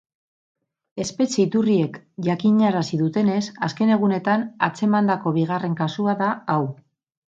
Espetxe iturriek jakinarazi dutenez, azken egunetan atzemandako bigarren kasua da hau.